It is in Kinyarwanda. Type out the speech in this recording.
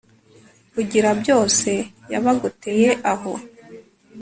rugira byose yabagoteye aho